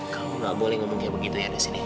kamu nggak boleh ngomong kayak begitu ya di sini